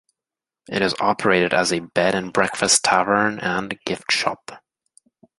It is operated as a bed and breakfast tavern and gift shop.